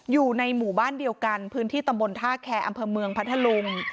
อยู่ในหมู่บ้านเดียวกันพื้นที่ตำบลท่าแคร์อำเภอเมืองพัทธลุง